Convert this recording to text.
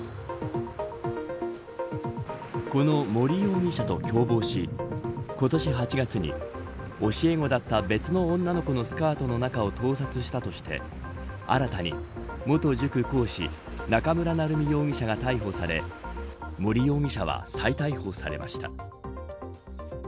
この森容疑者と共謀し今年８月に教え子だった別の女の子のスカートの中を盗撮したとして新たに元塾講師中村成美容疑者が逮捕され森容疑者は再逮捕されました。